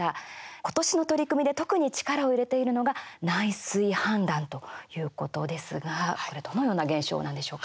今年の取り組みで特に力を入れているのが内水氾濫ということですがどのような現象なんでしょうか。